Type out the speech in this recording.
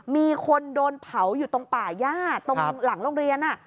มีคนโดนเผาอยู่ตรงป่าย่าตรงหลังโรงเรียน